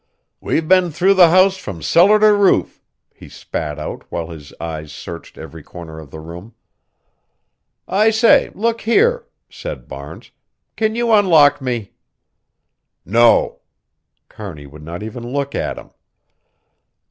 "We've been through the house from cellar to roof," he spat out while his eyes searched every corner of the room. "I say look here," said Barnes, "can you unlock me?" "No!" Kearney would not even look at him.